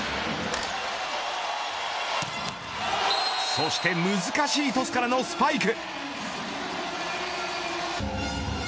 そして難しいトスからのスパイク。